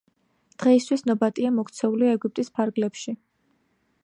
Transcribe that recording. დღეისთვის ნობატია მოქცეულია ეგვიპტის ფარგლებში.